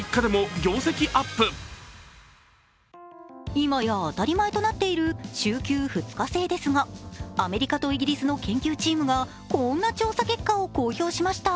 今や当たり前となっている週休２日制ですがアメリカとイギリスの研究チームがこんな調査結果を公表しました。